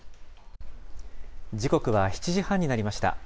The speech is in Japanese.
時刻は７時半になりました。